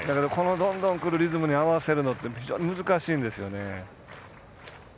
どんどんくるリズムに合わせるのって非常に難しいんですよね。